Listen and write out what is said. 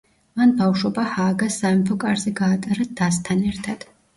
მან ბავშვობა ჰააგას სამეფო კარზე გაატარა დასთან ერთად.